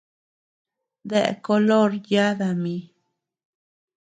¿Dae color yada mi?